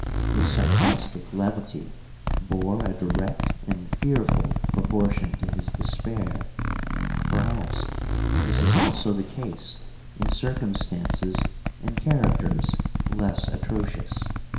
His sarcastic levity bore a direct and fearful proportion to his despair. Perhaps this is also the case in circumstances and characters less atrocious.